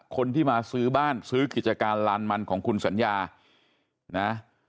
คนที่มาซื้อบ้านซื้อกิจการลานมันของคุณสัญญานะ